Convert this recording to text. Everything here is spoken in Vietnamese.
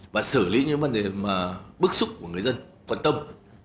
và xử lý những vấn đề bức xúc của người dân quan tâm